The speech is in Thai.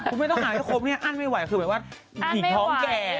คุณไม่ต้องหาเยอะครบอันไม่ไหวคือหมายว่าหิ่นท้องแก่